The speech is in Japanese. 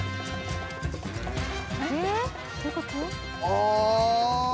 あ！